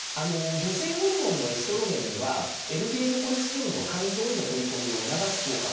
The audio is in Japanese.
女性ホルモンのエストロゲンにはＬＤＬコレステロールの肝臓への取り込みを促す効果というのがあります。